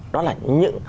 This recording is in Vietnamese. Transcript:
đó là những